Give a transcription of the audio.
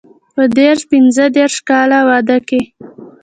په دیرش پنځه دېرش کاله واده کې.